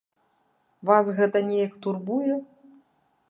Вас гэта неяк турбуе?